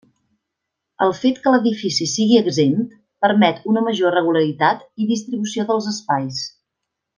El fet que l'edifici sigui exempt permet una major regularitat i distribució dels espais.